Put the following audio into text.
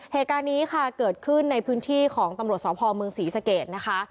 เหตุการณ์นี้ค่ะเกิดขึ้นในพื้นที่ของตำรวจสพเมืองศรีสเกตนะคะ